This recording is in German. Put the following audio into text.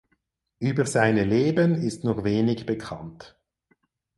Über seine Leben ist nur wenig bekannt.